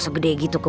satu dua tiga